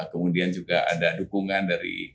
kemudian juga ada dukungan dari